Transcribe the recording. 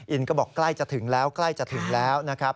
อินก็บอกใกล้จะถึงแล้วใกล้จะถึงแล้วนะครับ